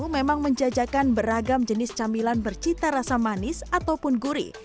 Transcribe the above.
memang menjajakan beragam jenis camilan bercita rasa manis ataupun gurih